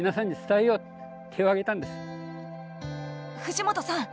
藤本さん